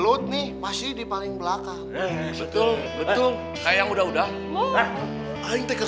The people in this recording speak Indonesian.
supaya semuanya baik baik aja